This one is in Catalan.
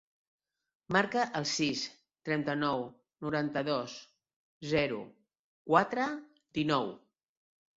Marca el sis, trenta-nou, noranta-dos, zero, quatre, dinou.